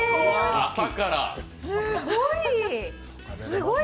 すごい！